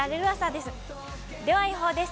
では、予報です。